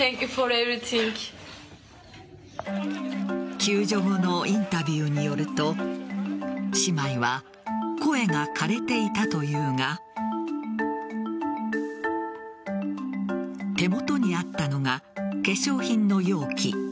救助後のインタビューによると姉妹は声が枯れていたというが手元にあったのが化粧品の容器。